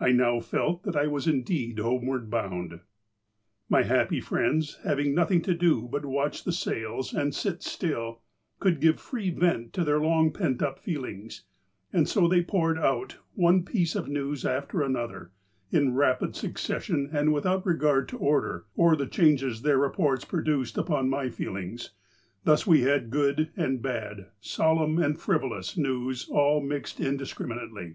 I now felt that I was indeed homeward bound. " My happy friends, having nothing to do but watch the sails, and sit still, could give free vent to their long pent up feelings, and so they poured out one piece of news after an other, in rapid succession, and without any regard to order, or the changes their reports produced upon my feelings ; thus we had good and bad, solemn and frivolous, news, all mixed indis criminately.